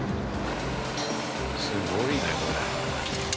すごいねこれ。